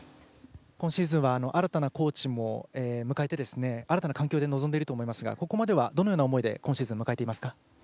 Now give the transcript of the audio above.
今シーズンは新たなコーチも迎えて新たな環境で臨んでいると思いますがここまでは、どのような思いで今シーズン迎えていますか？